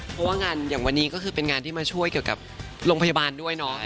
เพราะว่างานอย่างวันนี้ก็คือเป็นงานที่มาช่วยเกี่ยวกับโรงพยาบาลด้วยเนาะ